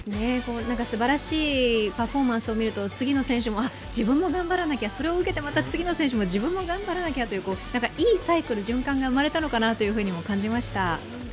すばらしいパフォーマンスを見ると、次の選手もあ、自分も頑張らなきゃ、それを受けてまた次の選手も自分も頑張らなきゃっていういいサイクル、循環が生まれたのかなって感じました。